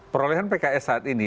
perolahan pks saat ini